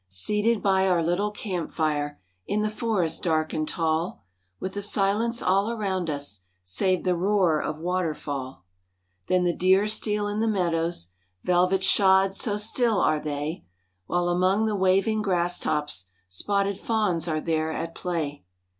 Seated by our little camp fire, In the forest dark and tall, With the silence all around us, Save the roar of water fall— Then the deer steal in the meadows, Velvet shod, so still are they, While among the waving grass tops Spotted fawns are there at play.